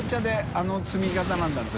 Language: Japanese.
あの積み方なんだろう？